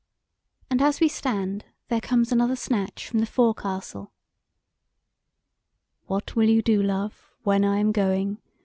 And as we stand there comes another snatch from the forecastle: "What will you do, love, when I am going.